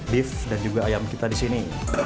beef dan juga ayam kita di sini